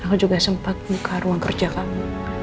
aku juga sempat buka ruang kerja kamu